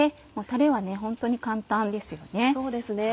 たれはホントに簡単ですよね。